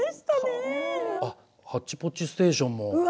あっ「ハッチポッチステーション」も。